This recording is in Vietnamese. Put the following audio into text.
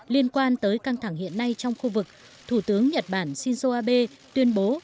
liên quan tới căng thẳng hiện nay trong khu vực thủ tướng nhật bản shinzo abe tuyên bố